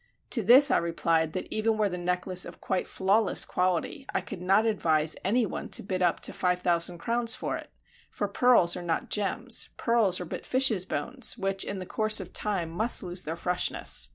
To this I replied that, even were the necklace of quite flawless quality, I could not advise any one to bid up to five thousand crowns for it: for pearls are not gems; pearls are but fishes' bones, which in the course of time must lose their freshness.